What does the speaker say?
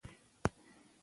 په خپلو لیکنو کې یې وساتو.